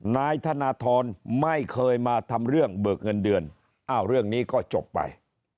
นายธนทรไม่เคยมาทำเรื่องเบิกเงินเดือนอ้าวเรื่องนี้ก็จบไป